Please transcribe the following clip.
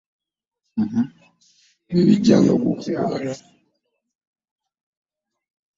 Bwe bijja nga gwo gukukunala .